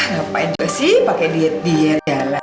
gapain juga sih pake diet diet ya lah